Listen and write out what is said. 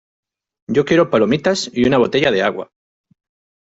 ¡Yo quiero palomitas y una botella de agua!